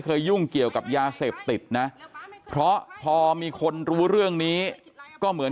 ยุ่งเกี่ยวกับยาเสพติดนะเพราะพอมีคนรู้เรื่องนี้ก็เหมือน